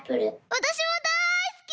わたしもだいすき！